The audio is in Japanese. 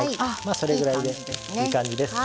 それぐらいでいい感じです。